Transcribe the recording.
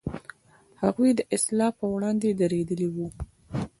هغوی د اصلاح پر وړاندې درېدلي و.